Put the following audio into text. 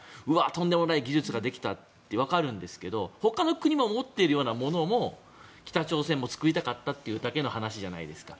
とんでもない技術ができたってわかるんですけど、ほかの国も持っているようなものも北朝鮮も作りたかったというだけの話じゃないですか。